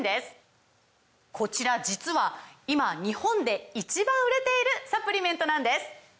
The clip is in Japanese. こちら実は今日本で１番売れているサプリメントなんです！